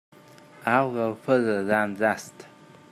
I'll go further than that.